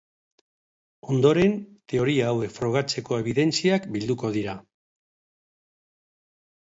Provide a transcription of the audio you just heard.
Ondoren, teoria hauek frogatzeko ebidentziak bilduko dira.